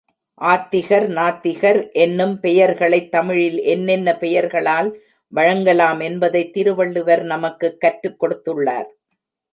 ஆத்திகர், நாத்திகர் என்னும் பெயர்களைத்தமிழில் என்னென்ன பெயர்களால் வழங்கலாம் என்பதைத் திருவள்ளுவர் நமக்குக் கற்றுக் கொடுத்துள்ளார்.